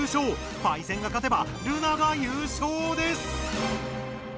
パイセンが勝てばルナが優勝です！